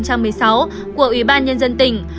của ủy ban nhân dân tỉnh